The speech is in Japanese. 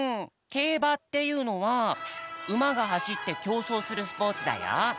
けいばっていうのはうまがはしってきょうそうするスポーツだよ。